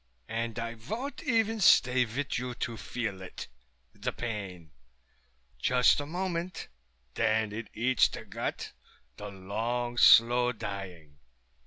And I von't even stay vith you to feel it, the pain just a moment then it eats the gut, the long slow dying...."